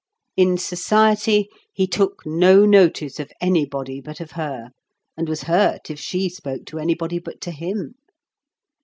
In society he took no notice of anybody but of her, and was hurt if she spoke to anybody but to him.